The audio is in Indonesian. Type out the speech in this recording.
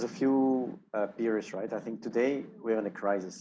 saya pikir hari ini kita dalam krisis